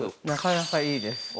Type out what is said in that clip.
なかなかいいです！